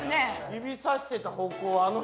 指さしてた方向はあの部屋か？